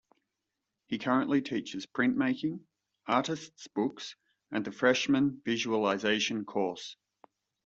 He currently teaches printmaking, artists' books, and the freshman Visualization course.